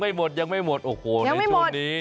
ไม่หมดยังไม่หมดโอ้โหในช่วงนี้